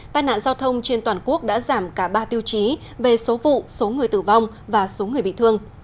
tai nạn giao thông trên toàn quốc đã giảm cả ba tiêu chí về số vụ số người tử vong và số người bị thương